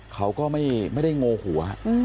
เขาก็ไม่ได้โงหัว